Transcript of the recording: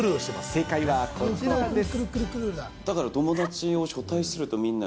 正解はこちらです。